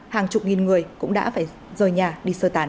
hàng chục nghìn người cũng đã phải rời nhà đi sơ tán